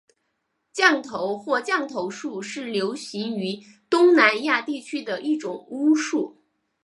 降头或降头术是流行于东南亚地区的一种巫术。